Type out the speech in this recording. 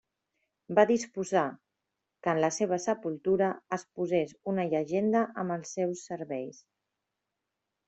Va disposar que en la seva sepultura es posés una llegenda amb els seus serveis.